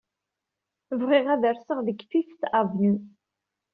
Bɣiɣ ad rseɣ deg Fifth Avenue.